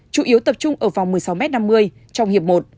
chủ yếu tập trung ở vòng một mươi sáu m năm mươi trong hiệp một